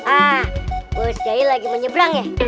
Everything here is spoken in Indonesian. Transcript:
ah bos jail lagi menyebrang ya